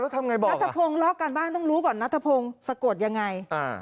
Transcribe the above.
ทำไงบอกนัทพงศ์รอบการบ้านต้องรู้ก่อนนัทพงศ์สะกดยังไง